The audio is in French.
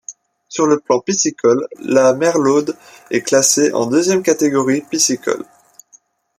Sur le plan piscicole, la Merlaude est classée en deuxième catégorie piscicole.